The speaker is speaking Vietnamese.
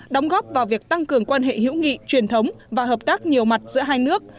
đóng góp vào việc tăng cường quan hệ hữu nghị truyền thống và hợp tác nhiều mặt giữa hai nước